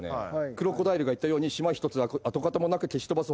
クロコダイルが言ったように島一つ跡形もなく消し飛ばすほどの威力。